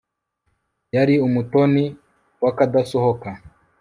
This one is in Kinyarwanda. yari umutoni w'akadosohoka